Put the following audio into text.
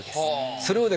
それをね